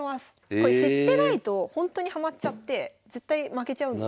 これ知ってないとほんとにハマっちゃって絶対負けちゃうので。